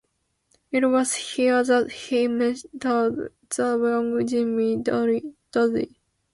It was here that he mentored the young Jimmy Dorsey.